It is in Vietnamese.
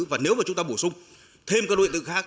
và nếu mà chúng ta bổ sung thêm các nguyện tự khác